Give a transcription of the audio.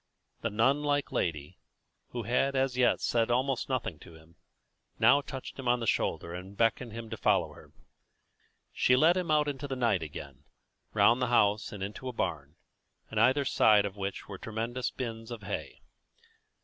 The nun like lady, who had as yet said almost nothing to him, now touched him on the shoulder and beckoned him to follow her. She led him out into the night again, round the house and into a barn, in either side of which were tremendous bins of hay.